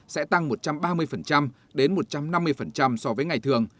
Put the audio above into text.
sẽ tăng một trăm ba mươi đến một trăm năm mươi so với ngày thường